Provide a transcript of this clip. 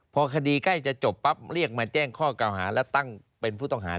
พอคดีใกล้จะจบปั๊บเรียกมาแจ้งข้อเก่าหาและตั้งเป็นผู้ต้องหา